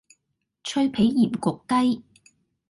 脆皮鹽焗鷄